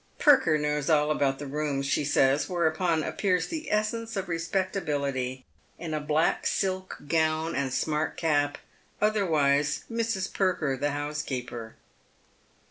" Perker knows all about the rooms," she says, whereupon Ai tfie Bow. MB ftppe.irs the essence of respectability in a black silk gown and Bmait cap, otherwise Mrs. Perker the housekeeper.